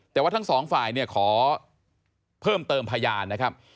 แต่ว่าทั้งสองฝ่ายเนี่ยขอเพิ่มเติมพยานนะครับ